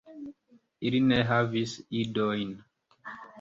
Ili ne havis idojn.